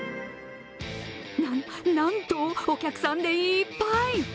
な、なんと、お客さんでいっぱい。